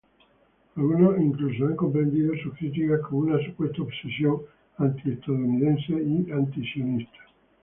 Algunos incluso han comprendido sus críticas como una supuesta obsesión antiestadounidense y antisionista.